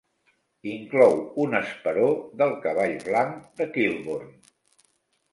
Inclou un esperó del cavall blanc de Kilburn.